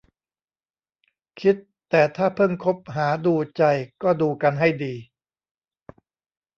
คิดแต่ถ้าเพิ่งคบหาดูใจก็ดูกันให้ดี